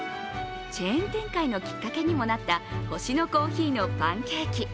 チェーン展開のきっかけにもなった星乃珈琲のパンケーキ。